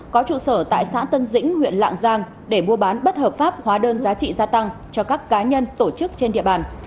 có trụ sở tại xã tân dĩnh huyện lạng giang để mua bán bất hợp pháp hóa đơn giá trị gia tăng cho các cá nhân tổ chức trên địa bàn